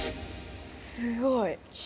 すごい！